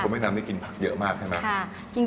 คนเวียดนามได้กินผักเยอะมากใช่ไหม